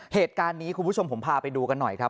เหตุการณ์นี้คุณผู้ชมผมพาไปดูกันหน่อยครับ